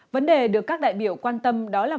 vấn đề được các đại biểu quan tâm đó là